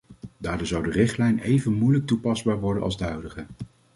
Daardoor zou de richtlijn even moeilijk toepasbaar worden als de huidige.